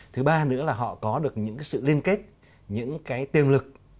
thứ ba nữa là họ có được những sự liên kết những tiềm lực